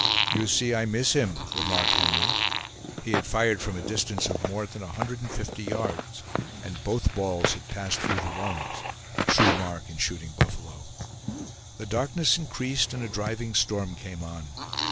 "You see I miss him!" remarked Henry. He had fired from a distance of more than a hundred and fifty yards, and both balls had passed through the lungs the true mark in shooting buffalo. The darkness increased, and a driving storm came on.